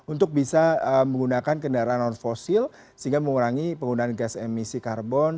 untuk bisa menggunakan kendaraan non fosil sehingga mengurangi penggunaan gas emisi karbon